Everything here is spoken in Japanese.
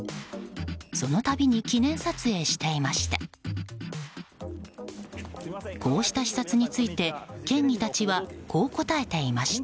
その度に記念撮影していました。